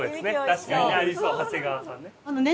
確かにねありそうハセガワさんね。